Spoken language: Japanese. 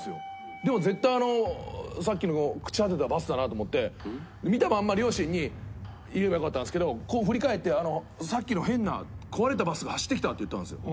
でも絶対あのさっきの朽ち果てたバスだなと思って見たまんま両親に言えばよかったんですけどこう振り返って「さっきの変な壊れたバスが走ってきた」って言ったんですよ。